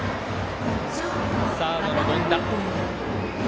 サードの権田。